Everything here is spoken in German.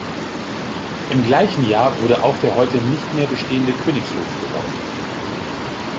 Im gleichen Jahr wurde auch der heute nicht mehr bestehende Königshof gebaut.